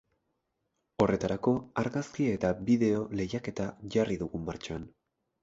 Horretarako, argazki eta bideo lehiaketa jarri dugu martxan.